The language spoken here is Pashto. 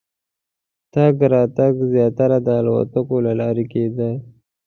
تګ راتګ زیاتره د الوتکو له لارې کېدی.